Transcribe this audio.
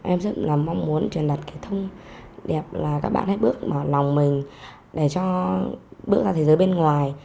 em rất là mong muốn truyền đặt cái thông điệp là các bạn hãy bước mở lòng mình để cho bước ra thế giới bên ngoài